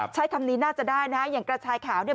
ใช้คำนี้น่าจะได้นะอย่างกระชายขาวเนี่ย